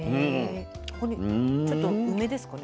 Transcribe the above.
これちょっと梅ですかね？